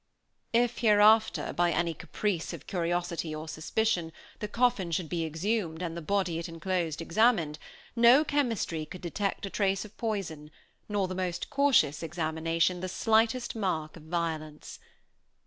If, hereafter, by any caprice of curiosity or suspicion, the coffin should be exhumed, and the body it enclosed examined, no chemistry could detect a trace of poison, nor the most cautious examination the slightest mark of violence.